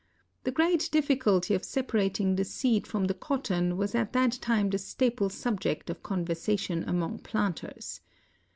The great difficulty of separating the seed from the cotton was at that time the staple subject of conversa tion among planters.